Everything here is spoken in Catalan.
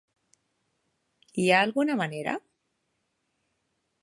Hi ha alguna manera?